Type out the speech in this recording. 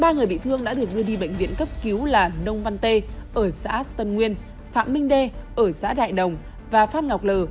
ba người bị thương đã được đưa đi bệnh viện cấp cứu là nông văn tê ở xã tân nguyên phạm minh đê ở xã đại đồng và phát ngọc lờ